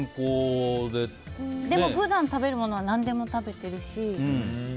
でも普段食べるものは何でも食べているし。